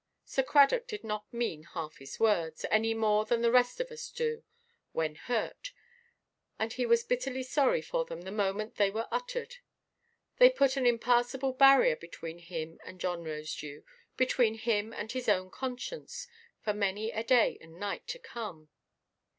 '" Sir Cradock did not mean half his words, any more than the rest of us do, when hurt; and he was bitterly sorry for them the moment they were uttered. They put an impassable barrier between him and John Rosedew, between him and his own conscience, for many a day and night to come.